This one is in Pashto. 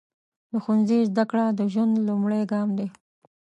د ښوونځي زده کړه د ژوند لومړی ګام دی.